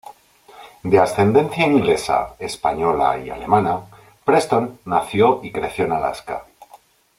De ascendencia inglesa, española y alemana, Preston nació y creció en Alaska.